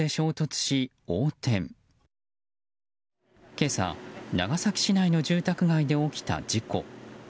今朝、長崎市内の住宅街で起きた事故。